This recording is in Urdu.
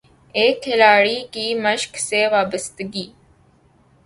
ایک کھلاڑی کی مشق سے وابستگی